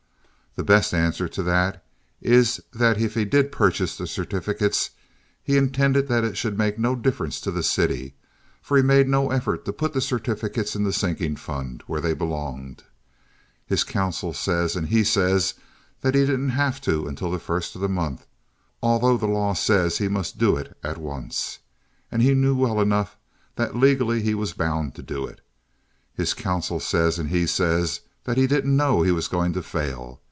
The best answer to that is that if he did purchase the certificates he intended that it should make no difference to the city, for he made no effort to put the certificates in the sinking fund, where they belonged. His counsel says, and he says, that he didn't have to until the first of the month, although the law says that he must do it at once, and he knew well enough that legally he was bound to do it. His counsel says, and he says, that he didn't know he was going to fail.